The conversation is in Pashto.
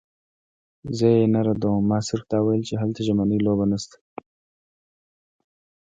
زه یې نه ردوم، ما صرف دا ویل چې هلته ژمنۍ لوبې نشته.